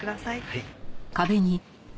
はい。